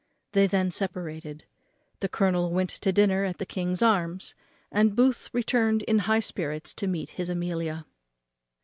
They then separated. The colonel went to dinner at the King's Arms, and Booth returned in high spirits to meet his Amelia.